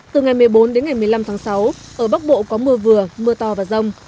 từ ngày một mươi bốn đến ngày một mươi năm tháng sáu ở bắc bộ có mưa vừa mưa to và rông